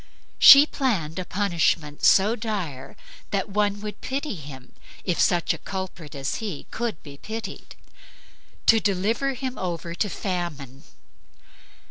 She planned a punishment so dire that one would pity him, if such a culprit as he could be pitied, to deliver him over to Famine.